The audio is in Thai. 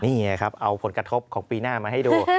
นี่ไงครับเอาผลกระทบของปีหน้ามาให้ดู